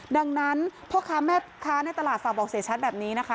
ดังนั้นพ่อค้าแม่ค้าในตลาดฝากบอกเสียชัดแบบนี้นะคะ